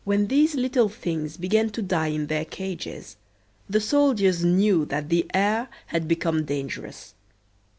When these little things began to die in their cages the soldiers knew that the air had become dangerous.